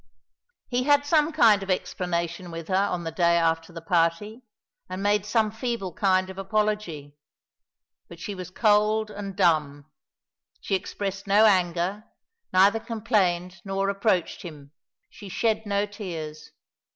He had some kind of explanation with her on the day after the party, and made some feeble kind of apology. But she was cold and dumb; she expressed no anger, neither complained nor reproached him; she shed no tears.